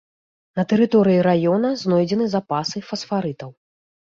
На тэрыторыі раёна знойдзены запасы фасфарытаў.